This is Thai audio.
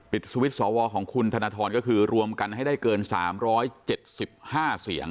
สวิตช์สวของคุณธนทรก็คือรวมกันให้ได้เกิน๓๗๕เสียง